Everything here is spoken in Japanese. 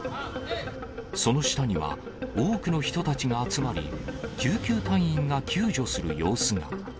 その下には、多くの人たちが集まり、救急隊員が救助する様子が。